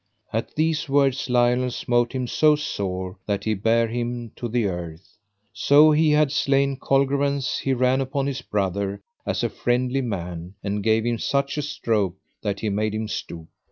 At these words Lionel smote him so sore that he bare him to the earth. So he had slain Colgrevance he ran upon his brother as a fiendly man, and gave him such a stroke that he made him stoop.